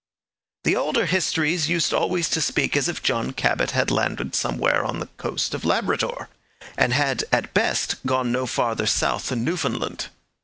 The older histories used always to speak as if John Cabot had landed somewhere on the coast of Labrador, and had at best gone no farther south than Newfoundland.